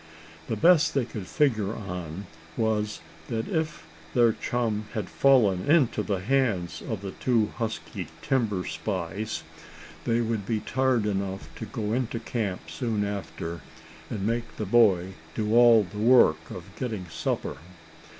The best they could figure on was that if their chum had fallen into the hands of the two husky timber spies, they would be tired enough to go into camp soon after, and make the boy do all the work of getting supper.